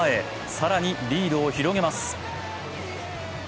更にリードを広げます。